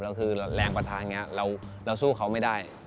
แล้วคือแรงประทะอย่างนี้เราสู้เขาไม่ได้